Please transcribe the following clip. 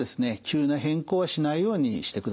急な変更はしないようにしてください。